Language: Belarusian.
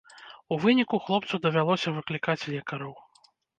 У выніку хлопцу давялося выклікаць лекараў.